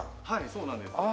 はいそうなんです。